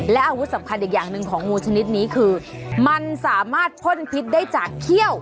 และอาวุธสำคัญอีกอย่างหนึ่งของงูชนิดนี้คือมันสามารถพ่นพิษได้จากเขี้ยว